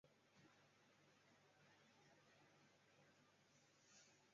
嵯峨御流是以嵯峨天皇为开祖的华道之一派。